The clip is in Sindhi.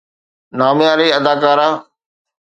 نامياري اداڪارا